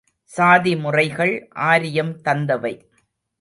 சாதிமுறைகள் ஆரியம் தந்தவை.